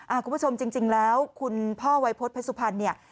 คุณผู้ชมจริงแล้วคุณพ่อวัยพฤษเพชรสุพรรณเนี่ย